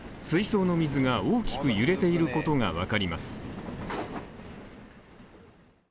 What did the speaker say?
水槽の水が大きく揺れていることが分かります。